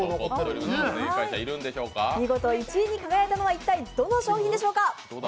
見事１位に輝いたのは一体どの商品でしょうか。